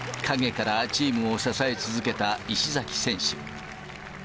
陰からチームを支え続けた石崎選手。